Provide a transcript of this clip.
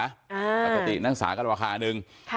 ปกตินักศึกษาก็ราคาหนึ่ง